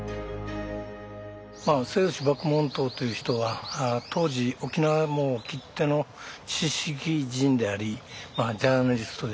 末吉麦門冬という人は当時沖縄きっての知識人でありジャーナリストである。